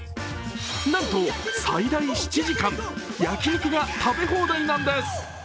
なんと最大７時間、焼肉が食べ放題なんです。